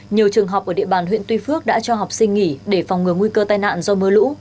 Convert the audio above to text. nhiều trường học ở địa bàn huyện tuy phước đã cho học sinh nghỉ để phòng ngừa nguy cơ tai nạn do mưa lũ